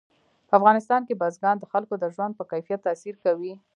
په افغانستان کې بزګان د خلکو د ژوند په کیفیت تاثیر کوي.